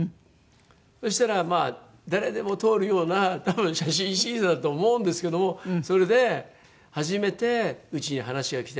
そしたらまあ誰でも通るような多分写真審査だと思うんですけどもそれで初めてうちに話がきて。